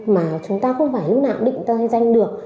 mà chúng ta không phải lúc nào định danh được